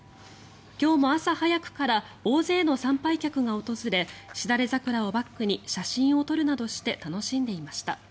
今日も朝早くから大勢の参拝客が訪れシダレザクラをバックに写真を撮るなどして楽しんでいました。